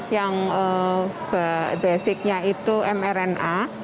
itu basicnya itu mrna